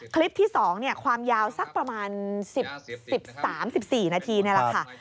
คลิปที่๒ความยาวสักประมาณ๑๓๑๔นาทีนี่แหละค่ะ